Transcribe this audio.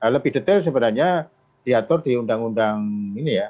lebih detail sebenarnya diatur di undang undang ini ya